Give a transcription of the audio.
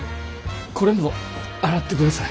これも洗ってください。